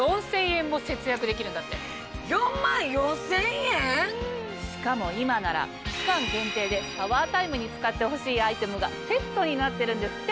４万４０００円⁉しかも今なら期間限定でシャワータイムに使ってほしいアイテムがセットになってるんですって。